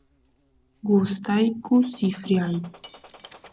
gustayku sifryay